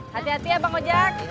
hati hati ya bang ojek